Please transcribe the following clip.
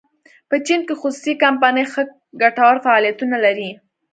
په چین کې خصوصي کمپنۍ ښه ګټور فعالیتونه لري.